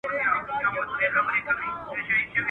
کرنه زموږ تاریخ خوندي ساتي.